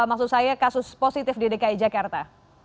maksud saya kasus positif di dki jakarta